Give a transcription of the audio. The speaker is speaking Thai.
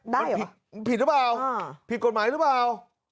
ได้หรือเปล่าผิดหรือเปล่าผิดกฎหมายหรือเปล่า